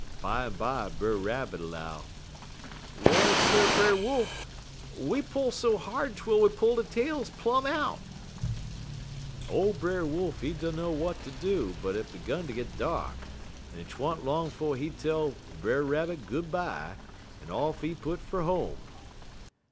Bimeby Brer Rabbit 'low: "'Well, sir, Brer Wolf; we pull so hard twel we pull de tails plum out!' "Ole Brer Wolf, he dunner w'at ter do, but it 'gun ter git dark, en 't wa'n't long 'fo' he tell Brer Rabbit good by, en off he put fer home.